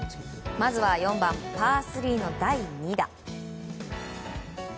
まずは４番、パー３の第２打。